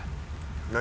何？